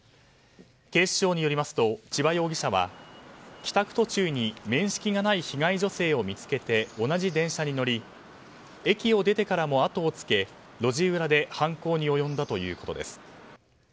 警視庁によりますと千葉容疑者は帰宅途中に面識がない被害女性を見つけて同じ電車に乗り駅を出てからも後をつけ路地裏で犯行に及んだということです。